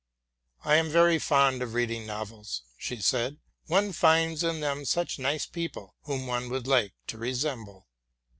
'*T am very fond of reading novels,'' she said: '* one finds in them such nice people, whom one would like to resemble."